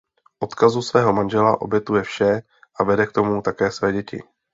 Odkazu svého manžela obětuje vše a vede k tomu také své děti.